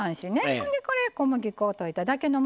ほんでこれ小麦粉を溶いただけのものにします。